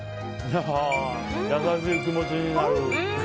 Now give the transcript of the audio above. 優しい気持ちになる。